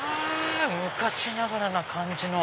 昔ながらな感じの。